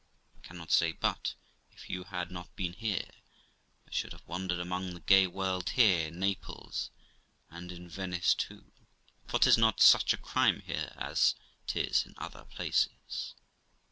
I cannot say but, if you had not been here, I should have wandered among the gay world here, in Naples, and in Venice too, for 'tis not such a crime here as 'tis in other places.